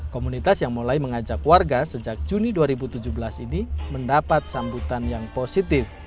komunitas yang mulai mengajak warga sejak juni dua ribu tujuh belas ini mendapat sambutan yang positif